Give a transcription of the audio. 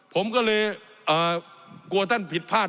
ผมก็เลยกลัวท่านผิดพลาด